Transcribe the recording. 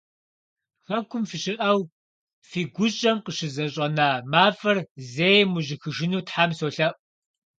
Хэкум фыщыӏэу, фи гущӏэм къыщызэщӏэна мафӏэр зэи мыужьыхыжыну Тхьэм солъэӏу!